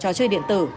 cho chơi điện tử